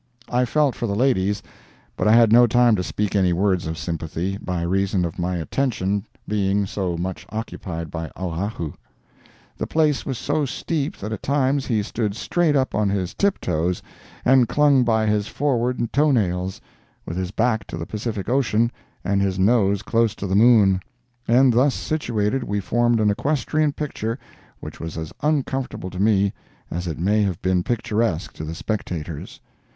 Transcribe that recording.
I felt for the ladies, but I had no time to speak any words of sympathy, by reason of my attention being so much occupied by Oahu. The place was so steep that at times he stood straight up on his tip toes and clung by his forward toenails, with his back to the Pacific Ocean and his nose close to the moon—and thus situated we formed an equestrian picture which was as uncomfortable to me as it may have been picturesque to the spectators.